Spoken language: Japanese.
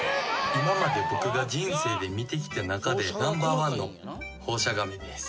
今まで僕が人生で見てきた中でナンバーワンのホウシャガメです。